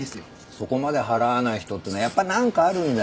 そこまで払わない人っていうのはやっぱなんかあるんだよ。